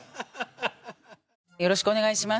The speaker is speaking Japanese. よろしくお願いします。